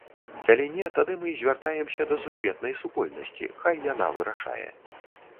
Калі не, тады мы звяртаемся да сусветнай супольнасці, хай яна вырашае.